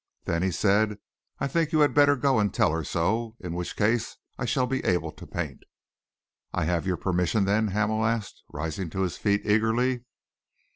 "Then," he said, "I think you had better go and tell her so; in which case, I shall be able to paint." "I have your permission, then?" Hamel asked, rising to his feet eagerly.